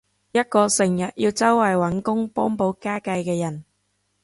一個成日要周圍搵工幫補家計嘅人